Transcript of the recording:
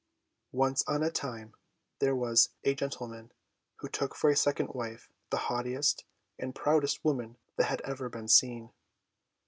Once on a time there was a gentleman who took for a second wife the haughtiest and proudest woman that had ever been seen.